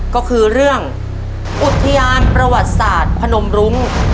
ก็คือเรื่องอุทยานประวัติศาสตร์พนมรุ้ง